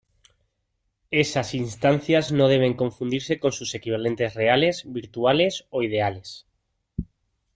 Estas instancias no deben confundirse con sus equivalentes reales, virtuales o ideales.